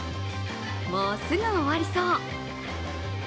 もうすぐ終わりそう。